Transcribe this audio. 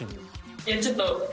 いやちょっと。